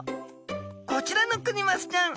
こちらのクニマスちゃん